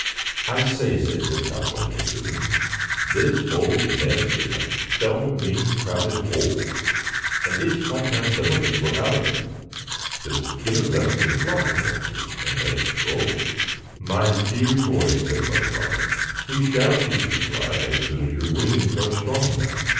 "I say," said Tip Top one day to them, "this old nest is a dull, mean, crowded hole, and it's quite time some of us were out of it. Just give us lessons in flying, won't you? and let us go." "My dear boy," said Mother Robin, "we shall teach you to fly as soon as your wings are strong enough."